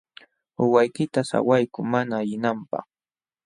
Uywaykita sawaykuy mana ayqinanpaq.